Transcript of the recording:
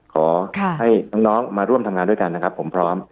ขอให้น้องมาร่วมทำงานด้วยกันนะครับผมพร้อม